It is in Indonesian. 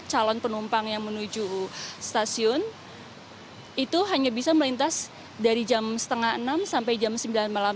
calon penumpang yang menuju stasiun itu hanya bisa melintas dari jam setengah enam sampai jam sembilan malam